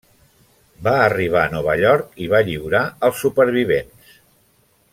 Va arribar a Nova York i va lliurar els supervivents.